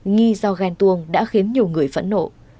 nghi do ghen tuồng đã khiến nhiều người phẫn nộ